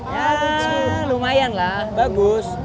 ya lumayan lah bagus